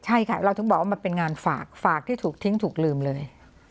ใช่ค่ะเราถึงบอกว่ามันเป็นงานฝากฝากที่ถูกทิ้งถูกลืมเลย